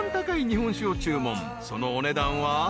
［そのお値段は］